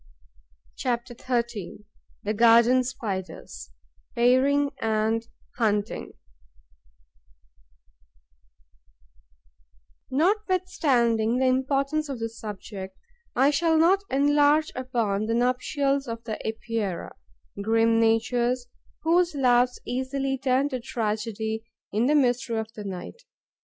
CHAPTER XIII: THE GARDEN SPIDERS: PAIRING AND HUNTING Notwithstanding the importance of the subject, I shall not enlarge upon the nuptials of the Epeirae, grim natures whose loves easily turn to tragedy in the mystery of the night.